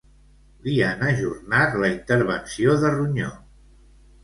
Li han ajornat la intervenció de ronyó